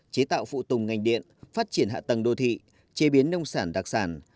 chế tạo phụ tùng ngành điện phát triển hạ tầng đô thị chế biến nông sản đặc sản